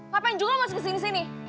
ngapain juga lo masih kesini sini